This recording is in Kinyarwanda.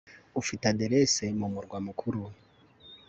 ufite adresse mu murwa mukuru